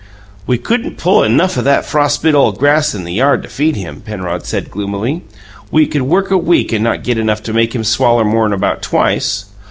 "We couldn't pull enough o' that frostbit ole grass in the yard to feed him," Penrod said gloomily. "We could work a week and not get enough to make him swaller more'n about twice.